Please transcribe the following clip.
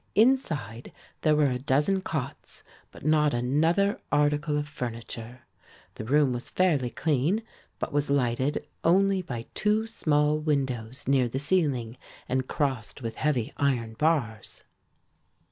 Inside there were a dozen cots, but not another article of furniture. The room was fairly clean, but was lighted only by two small windows near the ceiling and crossed with heavy iron bars.